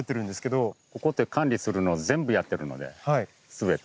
ここって管理するのを全部やってるのですべて。